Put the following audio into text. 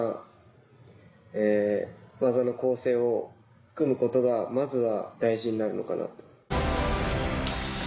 を組むことがまずは大事になるのかなと。